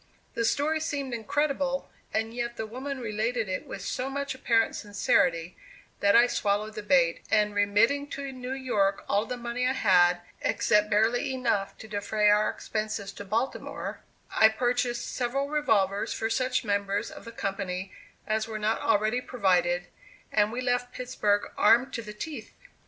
The story seemed incredible, and yet the woman related it with so much apparent sincerity, that I swallowed the bait, and remitting to New York all the money I had, except barely enough to defray our expenses to Baltimore, I purchased several revolvers for such members of the company as were not already provided, and we left Pittsburg armed to the teeth!